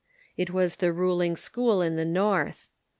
It Avas the ruling school in the North.